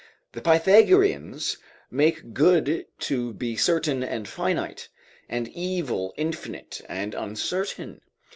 The Pythagoreans make good to be certain and finite, and evil, infinite and uncertain.